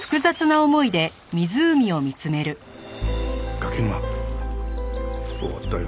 柿沼終わったよ。